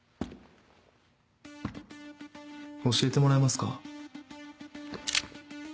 教えてもらえますか？